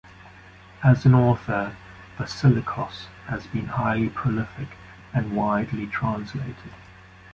As an author, Vassilikos has been highly prolific and widely-translated.